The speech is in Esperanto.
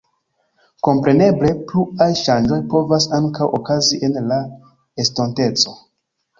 Kompreneble, pluaj ŝanĝoj povas ankaŭ okazi en la estonteco.